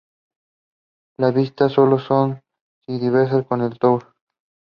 During the battle Thomas Durell injured his hand.